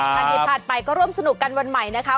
ท่านที่ผ่านไปก็ร่วมสนุกกันวันใหม่นะคะ